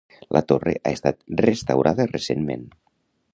La torre ha estat restaurada recentment.